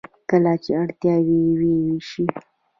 کله چې اړتیا وي و یې ویشي.